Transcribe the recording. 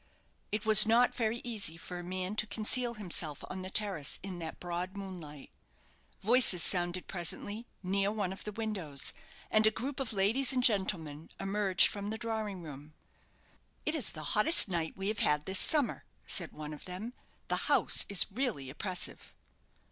It was not very easy for a man to conceal himself on the terrace in that broad moonlight. Voices sounded presently, near one of the windows; and a group of ladies and gentlemen emerged from the drawing room. "It is the hottest night we have had this summer," said one of them. "The house is really oppressive."